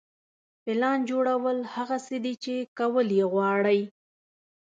پلان جوړول هغه څه دي چې کول یې غواړئ.